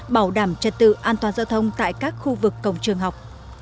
bảo đảm trật tự an toàn giao thông tại các khu vực cổng trường học